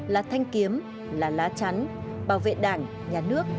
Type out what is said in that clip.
là thanh kiếm là lá chắn bảo vệ đảng nhà nước